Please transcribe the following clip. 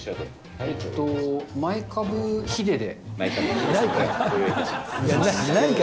えっと、前株ヒデで。